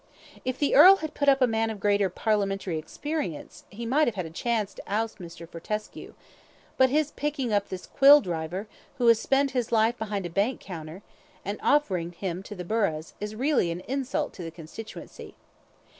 "If the earl had put up a man of greater parliamentary experience, he might have had a chance to oust Mr. Fortescue, but his picking up this quill driver, who has spent his life behind a bank counter, and offering him to the burghs, is really an insult to the constituency.